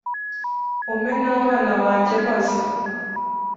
umpe n abana banjye maze